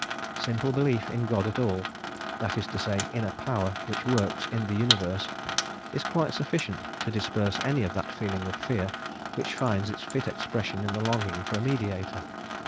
Simple belief in God at all, that is to say, in a Power which works in the Universe, is quite sufficient to disperse any of that feeling of fear which finds its fit expression in the longing for a mediator.